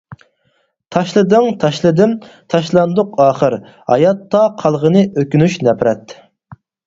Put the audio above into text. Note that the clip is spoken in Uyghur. تاشلىدىڭ، تاشلىدىم، تاشلاندۇق ئاخىر، ھاياتتا قالغىنى ئۆكۈنۈش نەپرەت.